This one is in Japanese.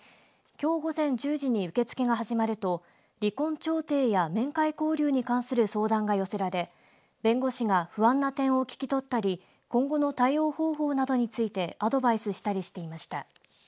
きょう午前１０時に受け付けが始まると離婚調停や面会交流に関する相談が寄せられ弁護士が不安な点を聞き取ったり今後の対応方法などについてアドバイスしたりしていました。